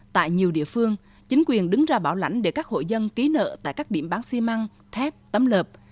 tại nhiều địa phương chính quyền đứng ra bảo lãnh để các hội dân ký nợ tại các điểm bán xi măng thép tấm lợp